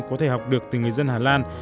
có thể học được từ người dân hà lan